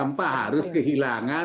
tanpa harus kehilangan